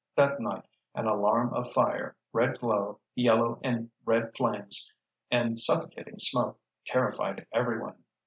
That night an alarm of fire, red glow, yellow and red flames, and suffocating smoke, terrified everyone.